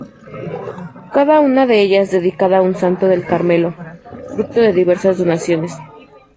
Cada una de ellas dedicada a un santo del Carmelo, fruto de diversas donaciones.